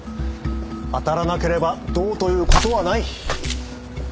当たらなければどうという事はない。